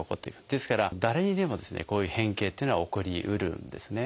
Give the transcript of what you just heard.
ですから誰にでもですねこういう変形っていうのは起こりうるんですね。